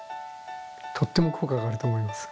とっても効果が上がると思います。